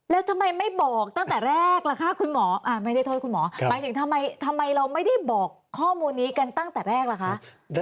แล้วทำไมไม่บอกตั้งแต่แรกล่ะคะคุณหมอไม่ได้โทษคุณหมอหมายถึงทำไมเราไม่ได้บอกข้อมูลนี้กันตั้งแต่แรกล่ะคะ